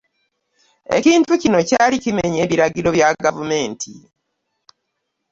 Ekintu kino kyali kimenya ebiragiro bya gavumenti.